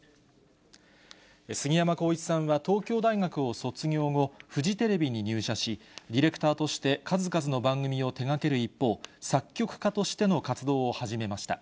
すぎやまこういちさんは東京大学を卒業後、フジテレビに入社し、ディレクターとして数々の番組を手がける一方、作曲家としての活動を始めました。